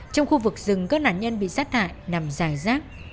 trong khu vực rừng các nạn nhân bị sát hại nằm dài rác